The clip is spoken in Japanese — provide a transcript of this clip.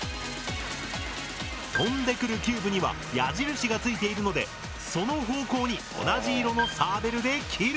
飛んでくるキューブには矢印がついているのでその方向に同じ色のサーベルで切る！